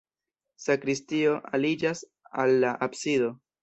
Sakristio aliĝas al la absido.